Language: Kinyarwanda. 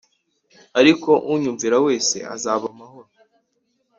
ariko unyumvira wese azaba amahoro